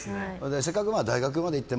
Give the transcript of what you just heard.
せっかく大学まで行って。